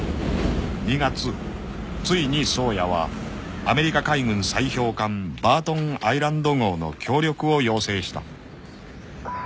［２月ついに宗谷はアメリカ海軍砕氷艦「バートン・アイランド号」の協力を要請した］